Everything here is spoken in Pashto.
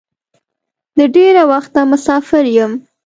د ډېره وخته مسافر یم.